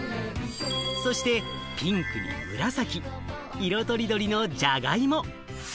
そしてピンクに紫、色とりどりのジャガイモ。